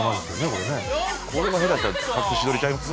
これが下手やったら隠し撮りちゃいます？